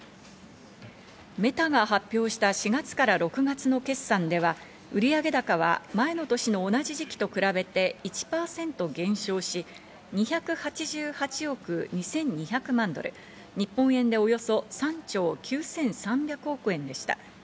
メタが発表した４月から６月の決算では、売上高は前の年の同じ時期と比べて１％減少し、２８８億２２００万ドル、日本円でおよそ３兆９３００億円でした。